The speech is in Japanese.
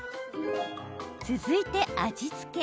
続いて、味付け。